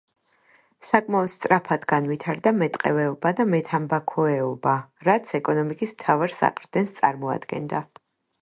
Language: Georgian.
საკმაოდ სწრაფად განვითარდა მეტყევეობა და მეთამბაქოეობა, რაც ეკონომიკის მთავარ საყრდენს წარმოადგენდა.